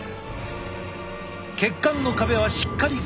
血管の壁はしっかり固定。